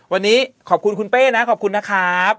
วันนี้ขอบคุณคุณเป้นะขอบคุณนะครับ